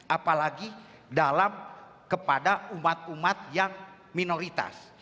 apalagi dalam kepada umat umat yang minoritas